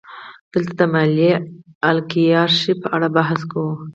دلته د مالي الیګارشۍ په اړه بحث کوو